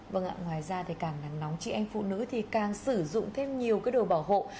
vâng ạ thì càng nắng nóng chị em phụ nữ thì càng sử dụng thêm nhiều cái đồ bảo hộ